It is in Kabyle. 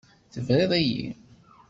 Tebriḍ-iyi.